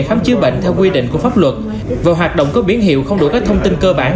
khám chứa bệnh theo quy định của pháp luật và hoạt động có biến hiệu không đủ các thông tin cơ bản